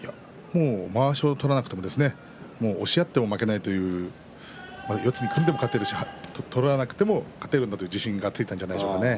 まわしを取らなくても押し合っても負けない四つに組んでも勝っているし取らなくても勝てるんだという自信がついたじゃないですかね。